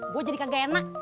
gue jadi kagak enak